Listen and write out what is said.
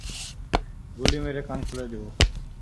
গুলি মেরে কান খুলে দেব!